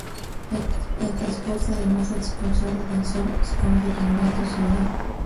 El transporte de masa expulsado del Sol se conoce como viento solar.